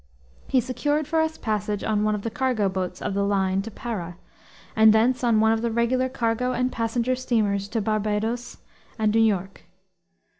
He secured for us passages on one of the cargo boats of the line to Para, and thence on one of the regular cargo and passenger steamers to Barbados and New York.